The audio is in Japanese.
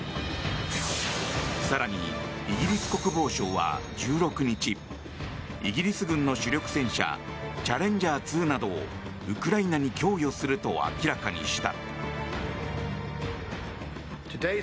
更にイギリス国防省は１６日イギリス軍の主力戦車チャレンジャー２などをウクライナに供与すると明らかにした。